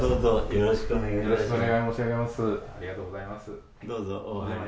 よろしくお願い申し上げます。